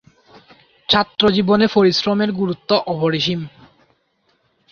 ছাত্রজীবনে পরিশ্রমের গুরুত্ব অপরিসীম।